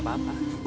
terima kasih ya